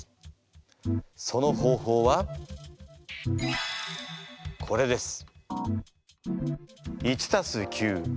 その方法はこれです。